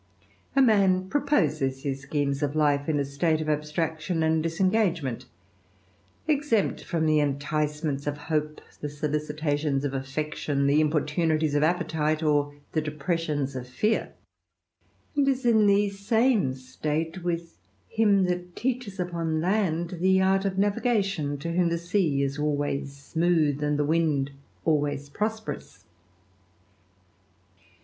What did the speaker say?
A man prop( his schemes of life in a state of abstraction and disengi ment, exempt from the enticements of hope, the solicitati of affection, the importunities of appetite, or the depressi of fear, and is in the same state with him that teaches u] land the art of navigation, to whom the sea is always smo< and the wind always prosperous.